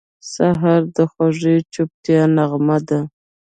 سهار د خوږې چوپتیا نغمه ده.